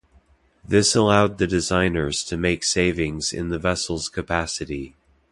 This allowed the designers to make savings in the vessel's capacity.